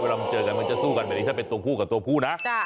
เราเจอกันมันจะสู้กันแบบนี้ถ้าเป็นตัวผู้กับตัวผู้นะ